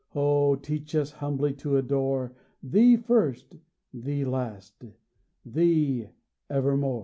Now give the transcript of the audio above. O teach us humbly to adore Thee first, Thee last, Thee evermore!